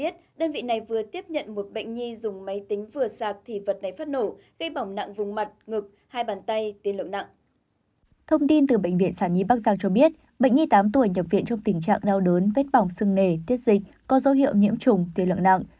thông tin từ bệnh viện sản nhi bắc giang cho biết bệnh nhi tám tuổi nhập viện trong tình trạng đau đớn vết bỏng sưng nề tiết dịch có dấu hiệu nhiễm trùng tiền lượng nặng